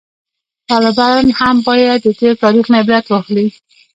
طالبان هم باید د تیر تاریخ نه عبرت واخلي